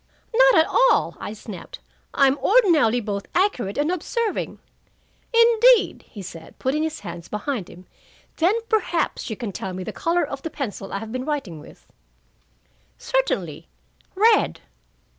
"Not at all," I snapped, "I am ordinarily both accurate and observing." "Indeed!" he said, putting his hands behind him. "Then perhaps you can tell me the color of the pencil I have been writing with." "Certainly. Red."